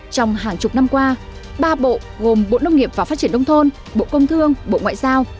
trong hàng chục năm qua ba bộ gồm bộ nông nghiệp và phát triển nông thôn bộ công thương bộ ngoại giao